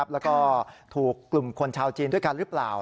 แล้วก็ถูกกลุ่มคนชาวจีนด้วยกันหรือเปล่า